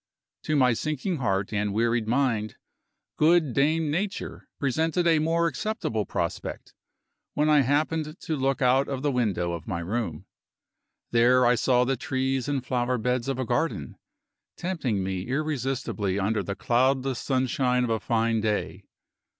To my sinking heart and wearied mind, good Dame Nature presented a more acceptable prospect, when I happened to look out of the window of my room. There I saw the trees and flowerbeds of a garden, tempting me irresistibly under the cloudless sunshine of a fine day.